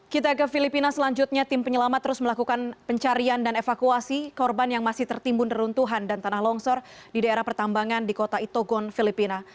kita ke filipina selanjutnya tim penyelamat terus melakukan pencarian dan evakuasi korban yang masih tertimbun neruntuhan dan tanah longsor di daerah pertambangan di kota itogon filipina